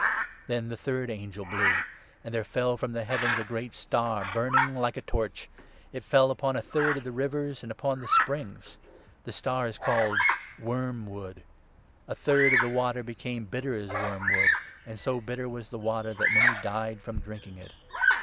Then the third angel blew ; and there fell from the heavens 10 a great star, burning like a torch. It fell upon a third of the rivers and upon the springs. (The star is called 'Worm n wood.') A third of the water became bitter as wormwood, and so bitter was the water that many died from drinking it.